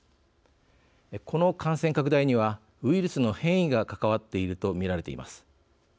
この感染拡大にはウイルスの変異が関わっていると見られています。